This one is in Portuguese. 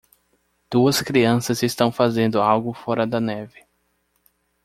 Duas crianças estão fazendo algo fora da neve.